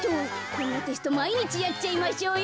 こんなテストまいにちやっちゃいましょうよ。